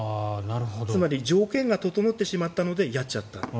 つまり条件が整ってしまったのでやっちゃった。